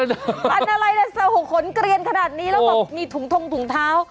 อันอะไรล่ะขนเกลียนขนาดนี้แล้วบอกมีถุงทงถุงเท้า